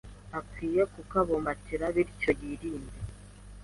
akwiye kukabumbatira bityo yirinde